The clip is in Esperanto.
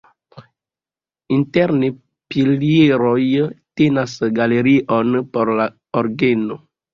Interne pilieroj tenas galerion por la orgeno.